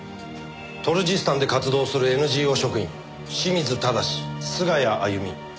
トルジスタンで活動するＮＧＯ職員清水正菅谷あゆみ。